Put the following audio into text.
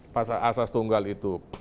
pasal asas tunggal itu